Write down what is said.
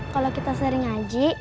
kalau kita sering ngaji